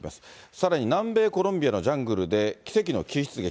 さらに南米コロンビアのジャングルで奇跡の救出劇。